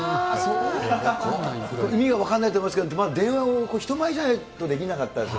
意味が分かんないと思いますけど、電話を人前じゃないとできなかったです。